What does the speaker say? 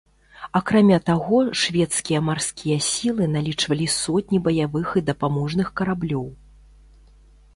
Акрамя таго, шведскія марскія сілы налічвалі сотні баявых і дапаможных караблёў.